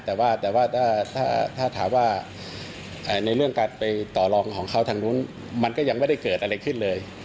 แต่ว่าถ้าถามว่าในเรื่องการไปต่อลองของเขาทางนู้นมันก็ยังไม่ได้เกิดอะไรขึ้นเลย